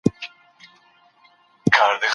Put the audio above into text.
دا ځای د خلکو لپاره د درناوي وړ دی.